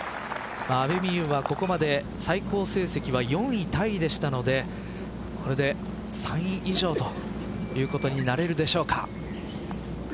阿部未悠はここまで最高成績は４位タイでしたのでこれで３位以上ということになれるでしょうか。